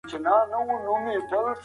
د کابل ماڼۍ ته ځینې خلک بالاحصار وایې.